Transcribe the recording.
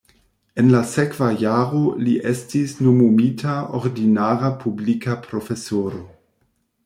En la sekva jaro li estis nomumita ordinara publika profesoro.